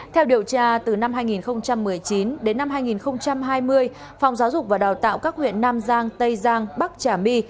theo điều tra từ năm hai nghìn một mươi chín đến năm hai nghìn hai mươi phòng giáo dục và đào tạo các huyện nam giang tây giang bắc trà my